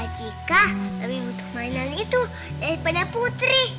kak cika lebih butuh mainan itu daripada putri